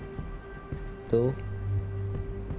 どう？